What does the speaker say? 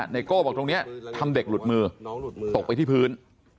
ไโก้บอกตรงนี้ทำเด็กหลุดมือตกไปที่พื้น